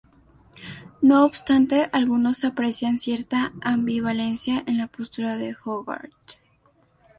No obstante, algunos aprecian cierta ambivalencia en la postura de Hogarth.